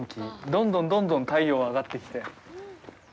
どんどんどんどん太陽が上がってきて。